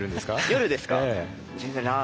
夜ですか？